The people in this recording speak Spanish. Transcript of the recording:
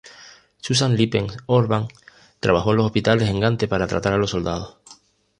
Suzanne Lippens-Orban trabajó en los hospitales en Gante para tratar a los soldados.